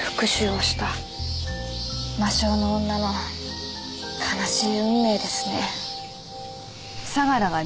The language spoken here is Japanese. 魔性の女の悲しい運命ですね。